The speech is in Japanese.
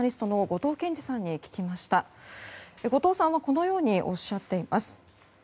後藤さんはこのようにおっしゃっています。